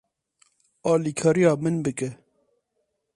Alîkariya min bike.